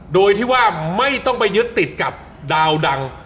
โดยที่ว่าไม่ต้องไปยึดติดกับดาวดัง